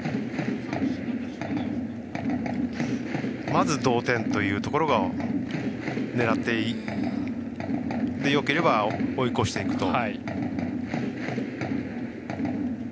まず同点というところが狙っていって、よければ追い越していくと。